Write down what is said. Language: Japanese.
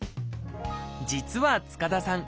実は塚田さん